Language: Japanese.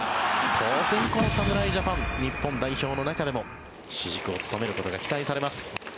当然この侍ジャパン日本代表の中でも主軸を務めることが期待されます。